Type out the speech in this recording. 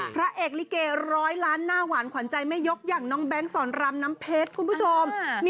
พระเอกลิเกร้อยล้านหน้าหวานขวัญใจแม่ยกอย่างน้องแบงค์สอนรามน้ำเพชรคุณผู้ชม